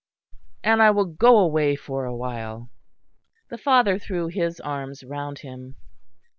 And I will go away for a while." The father threw his arms round him.